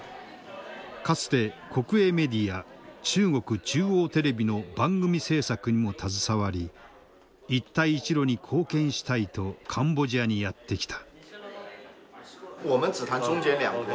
かつて国営メディア中国中央テレビの番組制作にも携わり一帯一路に貢献したいとカンボジアにやって来た。